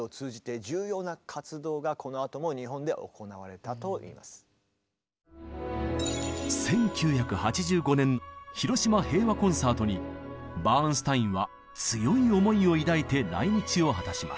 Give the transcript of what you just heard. そんなご縁もあって１９８５年広島平和コンサートにバーンスタインは強い思いを抱いて来日を果たします。